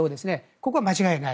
ここは間違いない。